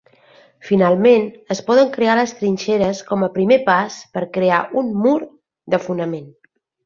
Finalment, es poden crear les trinxeres com a primer pas per crear un mur de fonament.